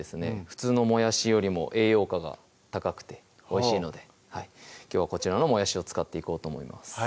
普通のもやしよりも栄養価が高くておいしいのできょうはこちらのもやしを使っていこうと思います